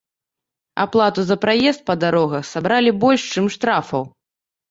Аплату за праезд па дарогах сабралі больш, чым штрафаў.